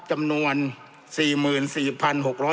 จำนวนเนื้อที่ดินทั้งหมด๑๒๒๐๐๐ไร่